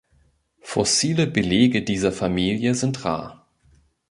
Fossile Belege dieser Familie sind rar.